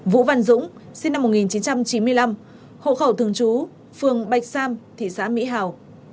vũ văn dũng sinh năm một nghìn chín trăm chín mươi năm hộ khẩu thường trú phường bạch sam thị xã mỹ hào